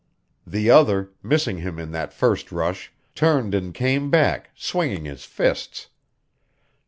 The other, missing him in that first rush, turned and came back, swinging his fists.